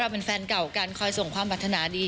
เป็นแฟนเก่ากันคอยส่งความปรัฐนาดี